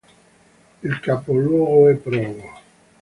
Il capoluogo è Provo.